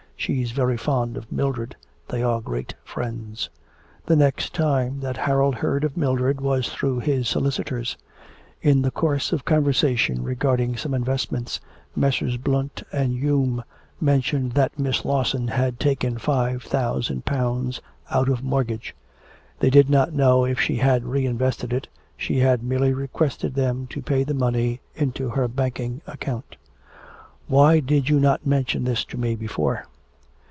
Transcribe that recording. ... She's very fond of Mildred. They are great friends.' The next time that Harold heard of Mildred was through his solicitors. In the course of conversation regarding some investments, Messrs. Blunt and Hume mentioned that Miss Lawson had taken 5000 pounds out of mortgage. They did not know if she had re invested it, she had merely requested them to pay the money into her banking account. 'Why did you not mention this to me before?'